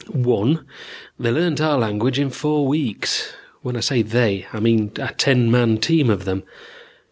"One, they learned our language in four weeks. When I say they, I mean a ten man team of them.